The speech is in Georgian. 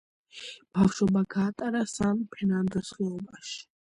ბავშვობა გაატარა სან ფერნანდოს ხეობაში.